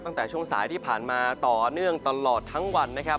ตั้งแต่ช่วงสายที่ผ่านมาต่อเนื่องตลอดทั้งวันนะครับ